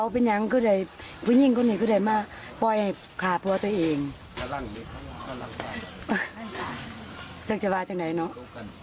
ปล่อยขาผัวตัวเองจังจะว่าจากไหนเนอะ